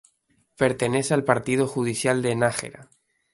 Pertenece al Partido Judicial de Nájera.